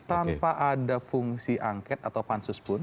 tanpa ada fungsi angket atau pansus pun